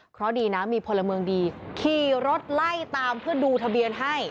เพราะดีนะมีพลเมืองดีขี่รถไล่ตามเพื่อดูทะเบียนให้